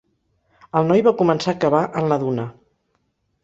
El noi va començar a cavar en la duna.